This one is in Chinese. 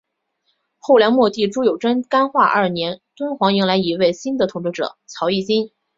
后梁末帝朱友贞干化二年敦煌迎来一位新的统治者曹议金。